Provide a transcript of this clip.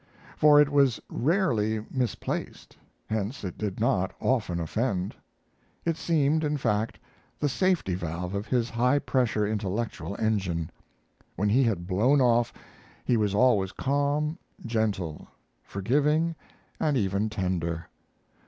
For it was rarely misplaced; hence it did not often offend. It seemed, in fact, the safety valve of his high pressure intellectual engine. When he had blown off he was always calm, gentle; forgiving, and even tender.